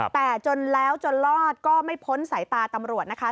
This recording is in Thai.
แต่จนแล้วจนรอดก็ไม่พ้นสายตาตำรวจนะคะ